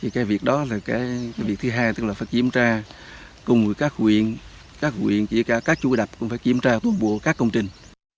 cái việc đó là cái việc thứ hai tức là phải kiểm tra cùng với các huyện các huyện các chú đập cũng phải kiểm tra tổng bộ các công trình